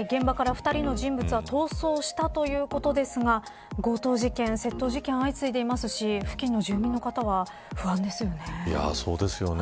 現場から２人の人物が逃走したということですが強盗事件、窃盗事件相次いでいますしそうですよね。